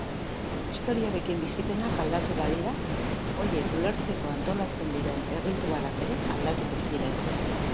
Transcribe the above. Historiarekin bizipenak aldatu badira, horiek ulertzeko antolatzen diren erritualak ere aldatuko ziren.